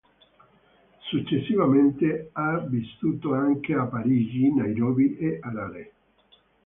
Successivamente ha vissuto anche a Parigi, Nairobi e Harare.